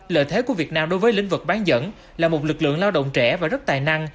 lợi thế của việt nam đối với lĩnh vực bán dẫn là một lực lượng lao động trẻ và rất tài năng